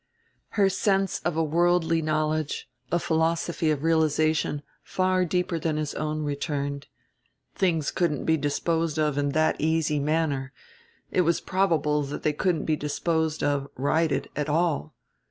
Her sense of a worldly knowledge, a philosophy of realization, far deeper than his own returned. Things couldn't be disposed of in that easy manner; it was probable that they couldn't be disposed of, righted, at all.